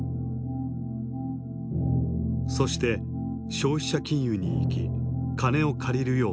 そして消費者金融に行き金を借りるよう指南された。